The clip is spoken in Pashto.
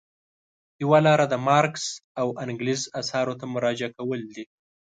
یوه لاره د مارکس او انګلز اثارو ته مراجعه کول دي.